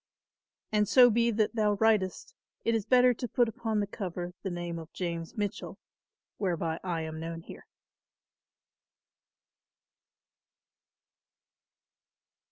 "An so be that thou writest, it is better to put upon the cover the name of James Mitchell whereby I am known here."